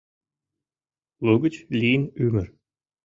Лугыч лийын ӱмыр.